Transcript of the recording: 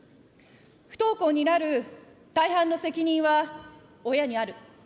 不登校になる大半の責任は親にある。